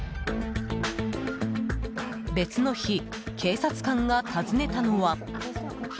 別の日、警察官が訪ねたのは。